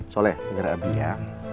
soleh denger abi ya